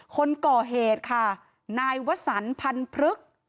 คนก่อเหตุค่ะนายวสันพันธุ์พรึก